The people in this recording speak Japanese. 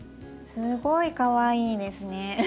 すごいかわいいですね。